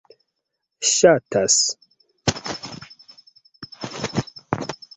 ŝatas